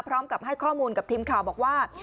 พร้อมกับให้ข้อมูลกับทีมข่าวบอกว่า